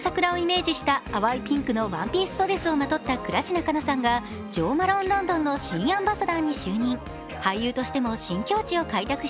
満開の桜をイメージした淡いピンクのワンピースドレスをまとった倉科カナさんがＪｏＭａｌｏｎｅＬｏｎｄｏｎの新アンバサダーに就任。